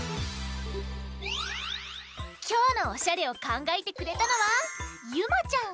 きょうのおしゃれをかんがえてくれたのはゆまちゃん！